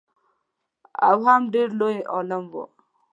او هم ډېر لوی عالم و.